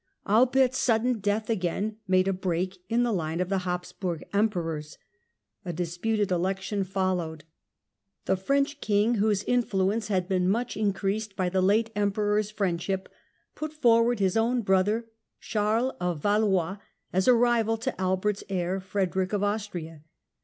Albert's sudden death again made a break in the line of Habsburg Emperors. A disputed election followed. 14 THE END OF THE MIDDLE AGE The French King, whose influence had been much in creased by the late Emperor's friendship, put forward his own brother Charles of Valois as a rival to Albert's heir Frederick of Austria.